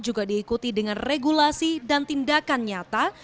juga diikuti dengan regulasi dan tindakan nyata